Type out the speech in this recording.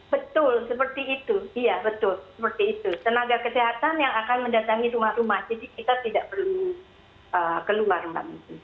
betul seperti itu iya betul seperti itu tenaga kesehatan yang akan mendatangi rumah rumah jadi kita tidak perlu keluar mbak